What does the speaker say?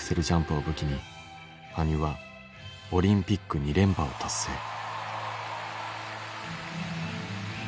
ジャンプを武器に羽生はオリンピック２連覇を達成。